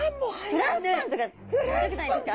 フランスパンとか食べたくないですか？